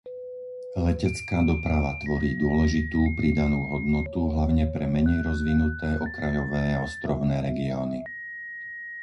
Letecká doprava tvorí dôležitú pridanú hodnotu hlavne pre menej rozvinuté okrajové a ostrovné regióny.